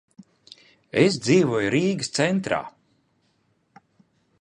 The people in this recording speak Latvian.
Es dzīvoju Rīgas centrā.